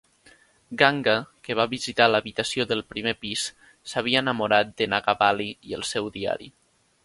Ganga, que va visitar l'habitació del primer pis, s'havia enamorat de Nagavalli i el seu diari.